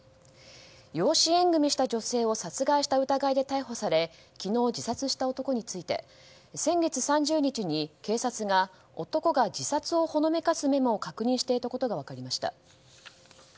養子縁組した女性を殺害した疑いで逮捕され昨日、自殺した男について先月３０日に警察が男が自殺をほのめかすメモを確認していたことが分かりました。